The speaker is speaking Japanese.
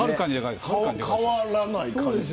顔変わらない感じ。